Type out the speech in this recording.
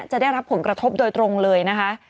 จะได้รับผลกระทบโดยตรงเลยนะคะ